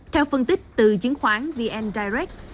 theo phân tích từ chứng khoán vn direct